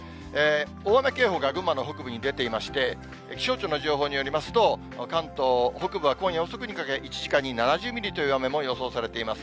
大雨警報が群馬の北部に出ていまして、気象庁の情報によりますと、関東北部は今夜遅くにかけ、１時間に７０ミリという雨も予想されています。